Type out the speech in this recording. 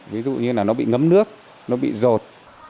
ví dụ như là nó bị ngấm nước nó bị rột